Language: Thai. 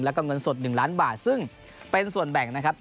แล้วก็เงินสด๑ล้านบาทซึ่งเป็นส่วนแบ่งนะครับ